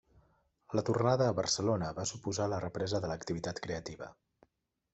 La tornada a Barcelona va suposar la represa de l'activitat creativa.